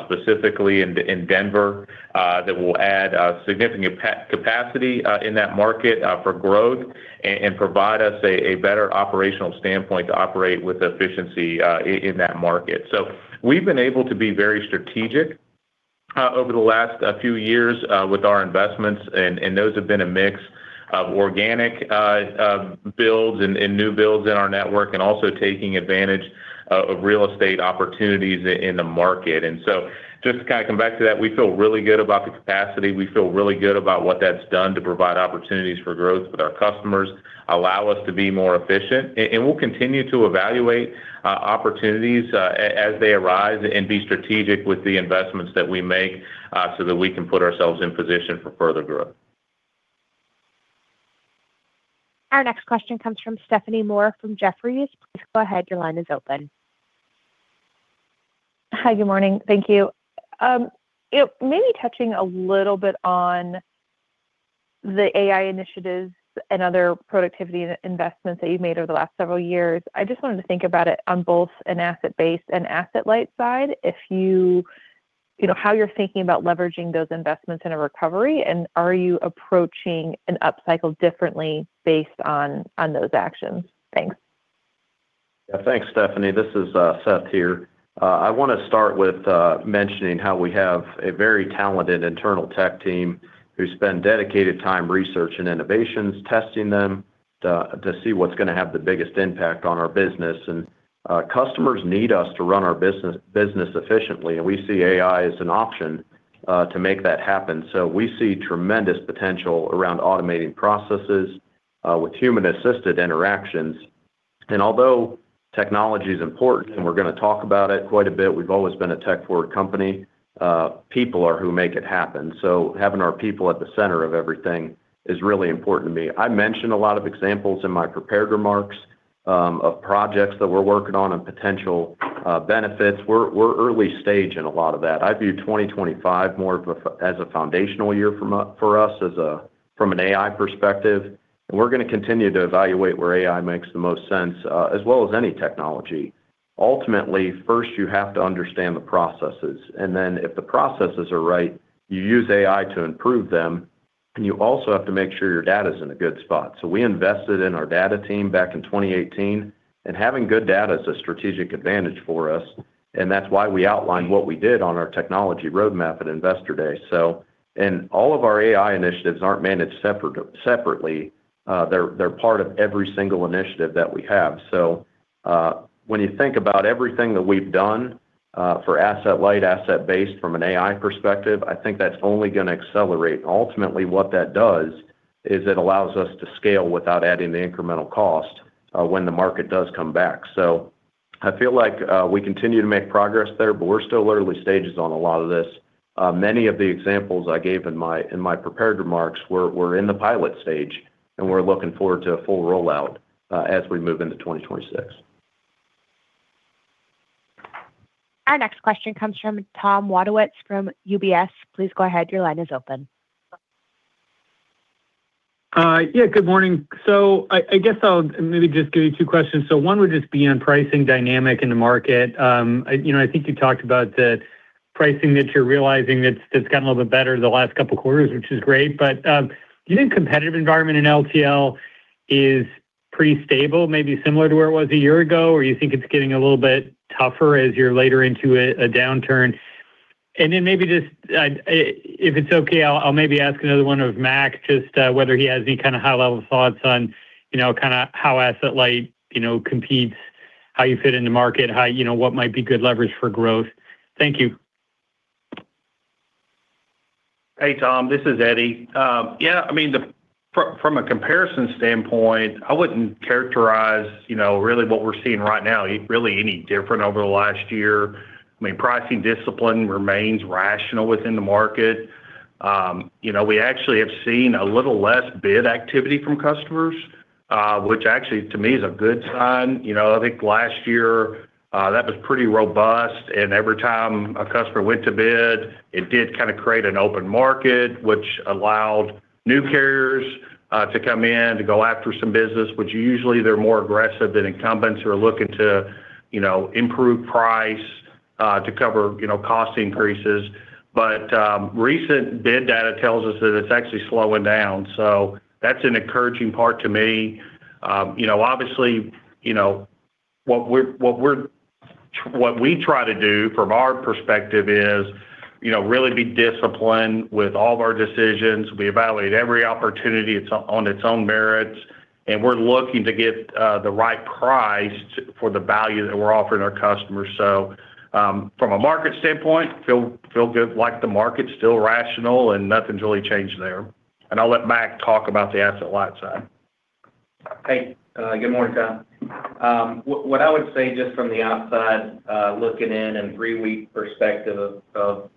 Speaker 4: specifically in Denver, that will add significant capacity in that market for growth and provide us a better operational standpoint to operate with efficiency in that market. So we've been able to be very strategic over the last few years with our investments, and those have been a mix of organic builds and new builds in our network, and also taking advantage of real estate opportunities in the market. And so just to kind of come back to that, we feel really good about the capacity. We feel really good about what that's done to provide opportunities for growth with our customers, allow us to be more efficient. And we'll continue to evaluate opportunities as they arise and be strategic with the investments that we make, so that we can put ourselves in position for further growth.
Speaker 1: Our next question comes from Stephanie Moore from Jefferies. Please go ahead. Your line is open.
Speaker 15: Hi, good morning. Thank you. You know, maybe touching a little bit on the AI initiatives and other productivity investments that you've made over the last several years. I just wanted to think about it on both an Asset-Based and Asset-Light side. If you know, how you're thinking about leveraging those investments in a recovery, and are you approaching an upcycle differently based on those actions? Thanks.
Speaker 3: Yeah, thanks, Stephanie. This is Seth here. I want to start with mentioning how we have a very talented internal tech team who spend dedicated time research and innovations, testing them to see what's going to have the biggest impact on our business. And customers need us to run our business efficiently, and we see AI as an option to make that happen. So we see tremendous potential around automating processes with human-assisted interactions. And although technology is important, and we're going to talk about it quite a bit, we've always been a tech-forward company, people are who make it happen. So having our people at the center of everything is really important to me. I mentioned a lot of examples in my prepared remarks of projects that we're working on and potential benefits. We're early stage in a lot of that. I view 2025 more as a from an AI perspective, and we're going to continue to evaluate where AI makes the most sense, as well as any technology. Ultimately, first, you have to understand the processes, and then if the processes are right, you use AI to improve them, and you also have to make sure your data's in a good spot. We invested in our data team back in 2018, and having good data is a strategic advantage for us, and that's why we outlined what we did on our technology roadmap at Investor Day. All of our AI initiatives aren't managed separately. They're part of every single initiative that we have. So, when you think about everything that we've done, for Asset-Light, Asset-Based from an AI perspective, I think that's only going to accelerate. Ultimately, what that does is it allows us to scale without adding the incremental cost, when the market does come back. So I feel like, we continue to make progress there, but we're still early stages on a lot of this. Many of the examples I gave in my prepared remarks were in the pilot stage, and we're looking forward to a full rollout, as we move into 2026.
Speaker 1: Our next question comes from Tom Wadewitz from UBS. Please go ahead. Your line is open.
Speaker 16: Yeah, good morning. So I guess I'll maybe just give you two questions. So one would just be on pricing dynamic in the market. You know, I think you talked about the pricing that you're realizing that's gotten a little bit better the last couple of quarters, which is great. But, do you think competitive environment in LTL is pretty stable, maybe similar to where it was a year ago? Or you think it's getting a little bit tougher as you're later into a downturn? And then maybe just, if it's okay, I'll maybe ask another one of Mac, just, whether he has any kind of high-level thoughts on, you know, kind of how Asset-Light, you know, competes, how you fit in the market, how, you know, what might be good leverage for growth. Thank you.
Speaker 7: Hey, Tom, this is Eddie. Yeah, I mean, from a comparison standpoint, I wouldn't characterize, you know, really what we're seeing right now, really any different over the last year. I mean, pricing discipline remains rational within the market. You know, we actually have seen a little less bid activity from customers, which actually, to me, is a good sign. You know, I think last year, that was pretty robust, and every time a customer went to bid, it did kind of create an open market, which allowed new carriers to come in to go after some business, which usually they're more aggressive than incumbents who are looking to, you know, improve price to cover, you know, cost increases. But, recent bid data tells us that it's actually slowing down, so that's an encouraging part to me. You know, obviously, you know, what we try to do from our perspective is, you know, really be disciplined with all of our decisions. We evaluate every opportunity on its own merits, and we're looking to get the right price for the value that we're offering our customers. So, from a market standpoint, feel good, like the market's still rational and nothing's really changed there. And I'll let Mac talk about the Asset-Light side.
Speaker 10: Hey, good morning, Tom. What I would say, just from the outside, looking in and three-week perspective of,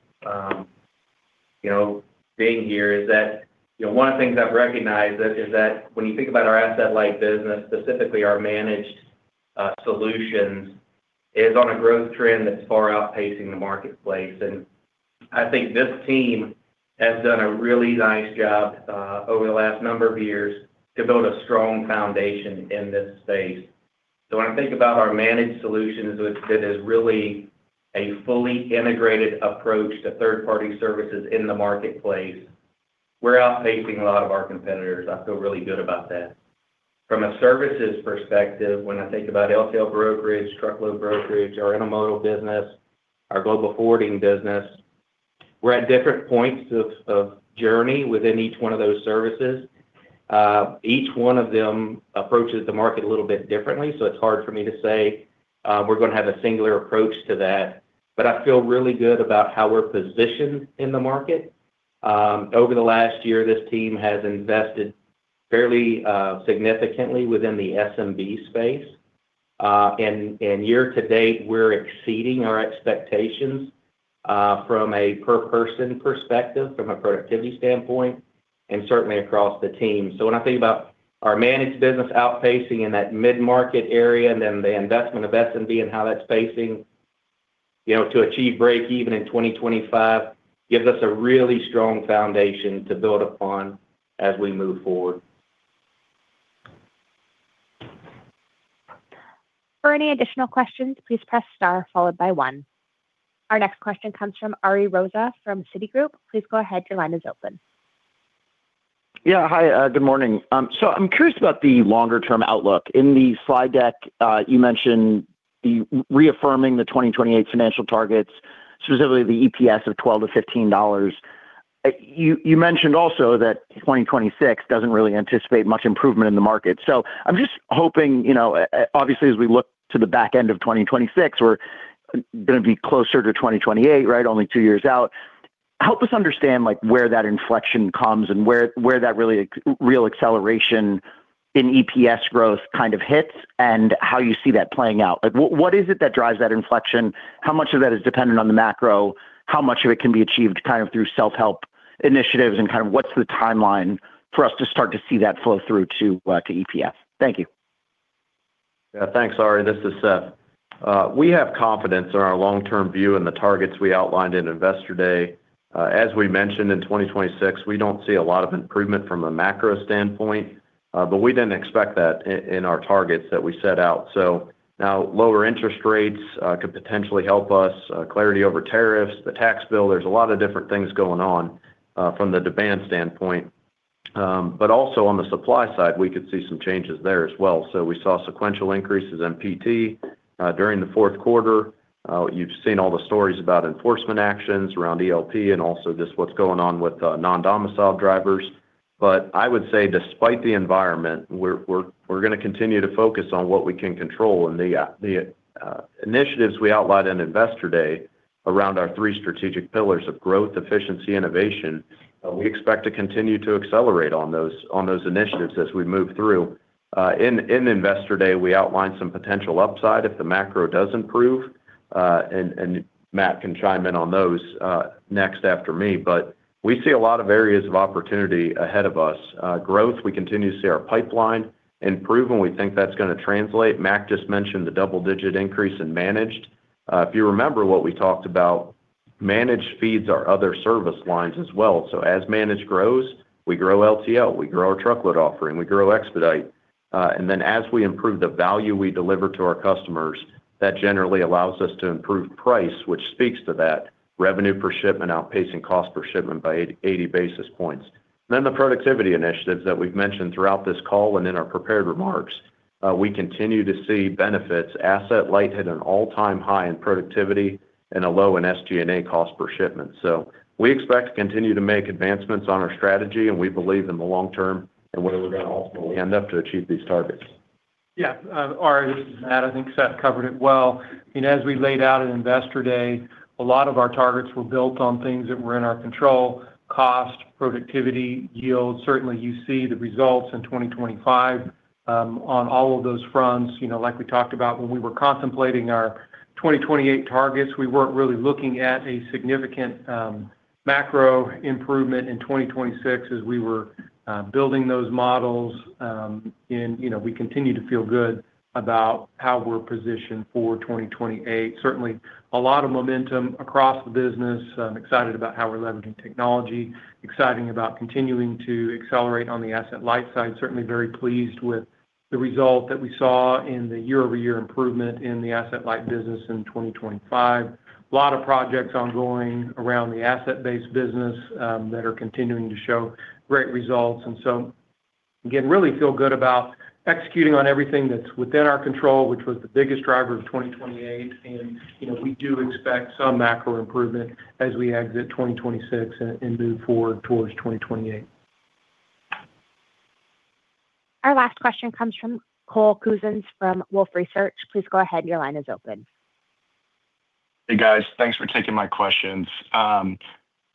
Speaker 10: you know, being here is that, you know, one of the things I've recognized is that when you think about our Asset-Light business, specifically our Managed Solutions, is on a growth trend that's far outpacing the marketplace. And I think this team has done a really nice job, over the last number of years to build a strong foundation in this space. So when I think about our Managed Solutions, which fit as really a fully integrated approach to third-party services in the marketplace, we're outpacing a lot of our competitors. I feel really good about that. From a services perspective, when I think about LTL brokerage, Truckload brokerage, our Intermodal business, our Global Forwarding business, we're at different points of journey within each one of those services. Each one of them approaches the market a little bit differently, so it's hard for me to say, we're going to have a singular approach to that, but I feel really good about how we're positioned in the market. Over the last year, this team has invested fairly, significantly within the SMB space. And year to date, we're exceeding our expectations, from a per person perspective, from a productivity standpoint, and certainly across the team. So when I think about our Managed business outpacing in that mid-market area and then the investment of SMB and how that's pacing, you know, to achieve break even in 2025, gives us a really strong foundation to build upon as we move forward.
Speaker 1: For any additional questions, please press star followed by one. Our next question comes from Ari Rosa from Citigroup. Please go ahead. Your line is open.
Speaker 17: Yeah. Hi, good morning. So I'm curious about the longer-term outlook. In the slide deck, you mentioned reaffirming the 2028 financial targets, specifically the EPS of $12-$15. You mentioned also that 2026 doesn't really anticipate much improvement in the market. So I'm just hoping, you know, obviously, as we look to the back end of 2026, we're gonna be closer to 2028, right? Only two years out. Help us understand, like, where that inflection comes and where that real acceleration in EPS growth kind of hits, and how you see that playing out. Like, what is it that drives that inflection? How much of that is dependent on the macro? How much of it can be achieved kind of through self-help initiatives? Kind of what's the timeline for us to start to see that flow through to EPS? Thank you.
Speaker 3: Yeah. Thanks, Ari. This is Seth. We have confidence in our long-term view and the targets we outlined in Investor Day. As we mentioned, in 2026, we don't see a lot of improvement from a macro standpoint, but we didn't expect that in our targets that we set out. So now, lower interest rates could potentially help us, clarity over tariffs, the tax bill. There's a lot of different things going on from the demand standpoint. But also on the supply side, we could see some changes there as well. So we saw sequential increases in PT during the fourth quarter. You've seen all the stories about enforcement actions around ELD and also just what's going on with non-domiciled drivers. But I would say despite the environment, we're gonna continue to focus on what we can control. The initiatives we outlined in Investor Day around our three strategic pillars of growth, efficiency, innovation, we expect to continue to accelerate on those, on those initiatives as we move through. In Investor Day, we outlined some potential upside if the macro does improve, and Matt can chime in on those next after me. But we see a lot of areas of opportunity ahead of us. Growth, we continue to see our pipeline improve, and we think that's gonna translate. Matt just mentioned the double-digit increase in Managed. If you remember what we talked about, Managed feeds our other service lines as well. So as Managed grows, we grow LTL, we grow our Truckload offering, we grow Expedite. and then as we improve the value we deliver to our customers, that generally allows us to improve price, which speaks to that revenue per shipment, outpacing cost per shipment by 80 basis points. Then the productivity initiatives that we've mentioned throughout this call and in our prepared remarks, we continue to see benefits. Asset-Light had an all-time high in productivity and a low in SG&A cost per shipment. So we expect to continue to make advancements on our strategy, and we believe in the long term, and we're gonna ultimately end up to achieve these targets.
Speaker 4: Yeah, Ari, this is Matt. I think Seth covered it well. And as we laid out in Investor Day, a lot of our targets were built on things that were in our control: cost, productivity, yield. Certainly, you see the results in 2025 on all of those fronts. You know, like we talked about when we were contemplating our 2028 targets, we weren't really looking at a significant macro improvement in 2026 as we were building those models. And, you know, we continue to feel good about how we're positioned for 2028. Certainly, a lot of momentum across the business. I'm excited about how we're leveraging technology, exciting about continuing to accelerate on the Asset-Light side. Certainly, very pleased with the result that we saw in the year-over-year improvement in the Asset-Light business in 2025. A lot of projects ongoing around the Asset-Based business, that are continuing to show great results. And so, again, really feel good about executing on everything that's within our control, which was the biggest driver of 2028. And, you know, we do expect some macro improvement as we exit 2026 and, and move forward towards 2028.
Speaker 1: Our last question comes from Cole Couzens from Wolfe Research. Please go ahead. Your line is open.
Speaker 18: Hey, guys. Thanks for taking my questions.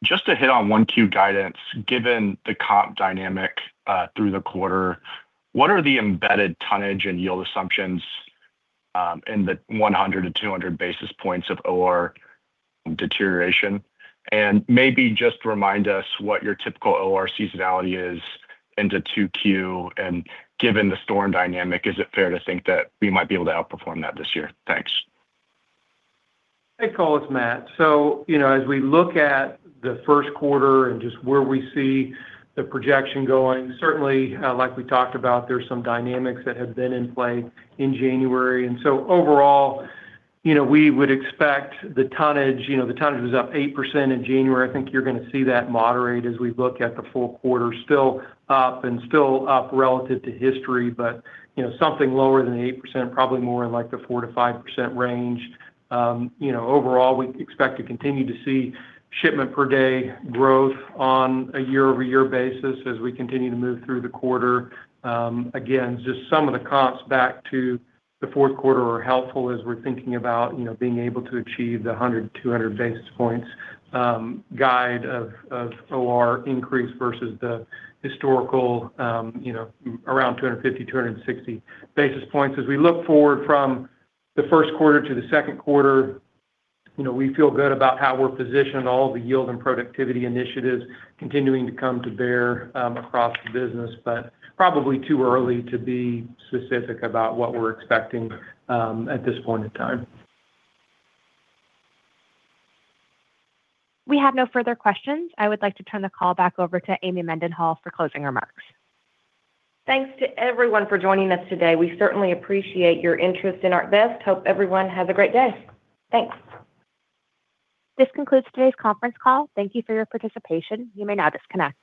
Speaker 18: Just to hit on 1Q guidance, given the comp dynamic through the quarter, what are the embedded tonnage and yield assumptions in the 100 basis points-200 basis points of OR deterioration? And maybe just remind us what your typical OR seasonality is into 2Q. And given the storm dynamic, is it fair to think that we might be able to outperform that this year? Thanks.
Speaker 4: Hey, Cole, it's Matt. So, you know, as we look at the first quarter and just where we see the projection going, certainly, like we talked about, there's some dynamics that have been in play in January. And so overall, you know, we would expect the tonnage, you know, the tonnage was up 8% in January. I think you're gonna see that moderate as we look at the full quarter, still up and still up relative to history, but, you know, something lower than the 8%, probably more in, like, the 4%-5% range. You know, overall, we expect to continue to see shipment per day growth on a year-over-year basis as we continue to move through the quarter. Again, just some of the comps back to the fourth quarter are helpful as we're thinking about, you know, being able to achieve the 100 basis points-200 basis points guide of OR increase versus the historical, you know, around 250 basis points-260 basis points. As we look forward from the first quarter to the second quarter, you know, we feel good about how we're positioned, all the yield and productivity initiatives continuing to come to bear, across the business, but probably too early to be specific about what we're expecting, at this point in time.
Speaker 1: We have no further questions. I would like to turn the call back over to Amy Mendenhall for closing remarks.
Speaker 2: Thanks to everyone for joining us today. We certainly appreciate your interest in ArcBest. Hope everyone has a great day. Thanks.
Speaker 1: This concludes today's conference call. Thank you for your participation. You may now disconnect.